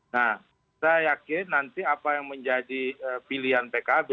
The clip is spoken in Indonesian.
nah saya yakin nanti apa yang menjadi pilihan pkb